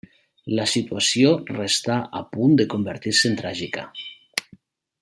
La situació restà a punt de convertir-se en tràgica.